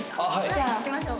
じゃあいきましょう。